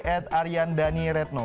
ed arian dhani retno